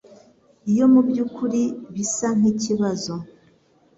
Ibyo mubyukuri bisa nkikibazo